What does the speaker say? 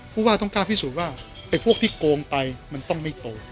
ผู้ว่าต้องกล้าพิสูจน์ว่าไอ้พวกที่โกงไปมันต้องไม่โกง